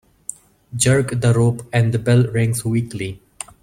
Jerk the rope and the bell rings weakly.